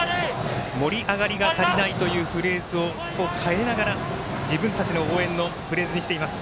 「盛り上がりが足りない」というフレーズを変えながら自分たちの応援のフレーズにしています。